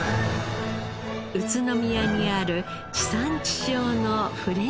宇都宮にある地産地消のフレンチの名店。